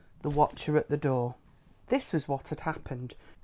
THE WATCHER AT THE DOOR This was what had happened.